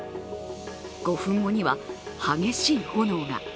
５分後には激しい炎が。